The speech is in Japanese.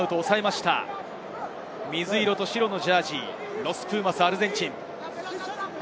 水色と白のジャージー、ロス・プーマス、アルゼンチン。